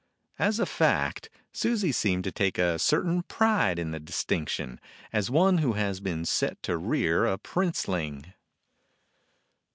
As a fact, Susie seemed to take a certain pride in the distinction, as one who has been set to rear a princeling.